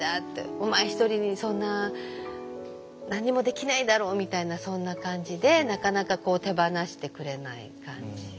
「お前ひとりにそんな何もできないだろう」みたいなそんな感じでなかなか手放してくれない感じ。